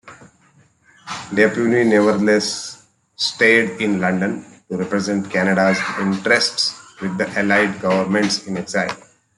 Dupuy nevertheless stayed in London to represent Canada's interests with the Allied governments-in-exile.